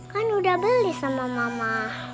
kan udah beli sama mama